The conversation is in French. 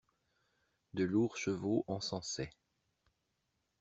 De lourds chevaux encensaient.